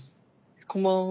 こんばんは。